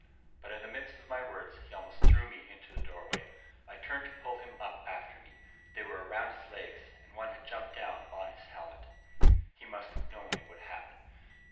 But in the midst of my words, he almost threw me into the doorway. I turned to pull him up after me. They were around his legs, and one had jumped down upon his helmet. And he must have known it would happen.